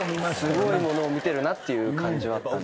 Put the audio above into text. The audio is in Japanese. すごいものを見てるなって感じはあったんですけど。